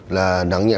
là nặng nhăn